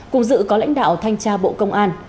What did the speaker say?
cùng dự có lãnh đạo thanh tra bộ công an